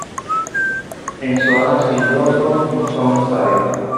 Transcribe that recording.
En suelos arcillosos no son necesarios.